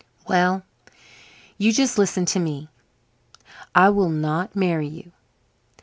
"Well, you just listen to me. I will not marry you.